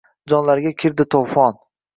Jonlarga kirdi to‘fon: